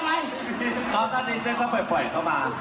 เพราะตอนนี้เจ้าข้อใจปล่อยก็มา